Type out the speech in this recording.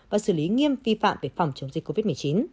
và xử lý nghiêm vi phạm về phòng chống dịch covid một mươi chín